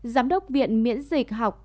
giám đốc viện miễn dịch học